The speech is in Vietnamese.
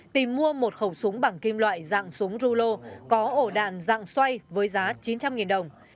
tìm mua một khẩu súng bằng kim loại dạng súng rulo có ổ đạn dạng xoay với giá chín trăm linh đồng